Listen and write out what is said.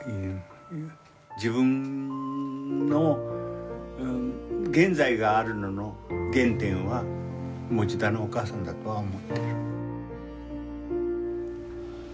自分の現在がある原点は田のお母さんだとは思ってる。